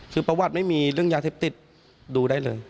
คือประวัติไม่มีเรื่องยาเสพติดดูได้เลย